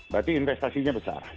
berarti investasinya besar